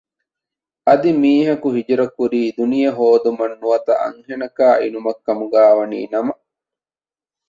އަދި މީހަކު ހިޖުރަ ކުރީ ދުނިޔެ ހޯދުމަށް ނުވަތަ އަންހެނަކާ އިނުމަށް ކަމުގައި ވަނީ ނަމަ